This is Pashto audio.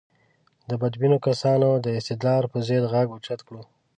د بدبینو کسانو د استدلال پر ضد غږ اوچت کړو.